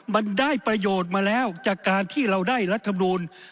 มันได้ประโยชน์มาแล้วจากการที่เราได้รัฐมนูล